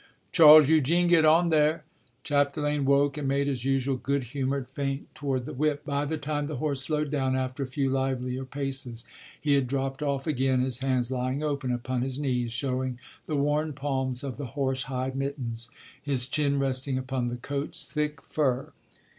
"Charles Eugene, get on there!" Chapdelaine woke and made his usual good humoured feint toward the whip; but by the time the horse slowed down, after a few livelier paces, he had dropped off again, his hands lying open upon his knees showing the worn palms of the horse hide mittens, his chin resting upon the coat's thick fur.